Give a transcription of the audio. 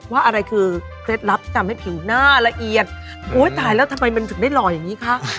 อะไรคือเคล็ดลับที่ทำให้ผิวหน้าละเอียดโอ้ยตายแล้วทำไมมันถึงได้หล่ออย่างนี้คะ